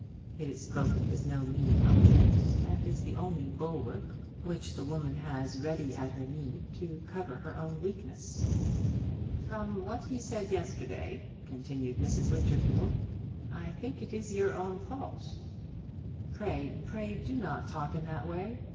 It is spoken with no mean object, and is the only bulwark which the woman has ready at her need to cover her own weakness. "From what he said yesterday," continued Mrs. Winterfield, "I think it is your own fault." "Pray, pray do not talk in that way.